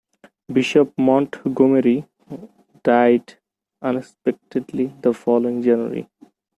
Bishop Montgomery died unexpectedly the following January.